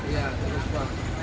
iya terus pak